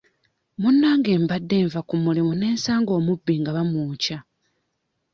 Munnange mbadde nva ku mulimu ne nsanga omubbi nga bamwokya.